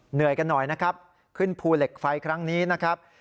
เหนื่อยกันหน่อยนะครับขึ้นภูเหล็กไฟครั้งนี้นะครับ